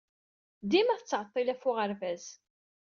Dima tettɛeḍḍil ɣef uɣerbaz.